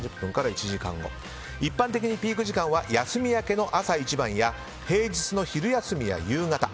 一般的にピーク時間は休み明けの朝一番や平日の昼休みや夕方。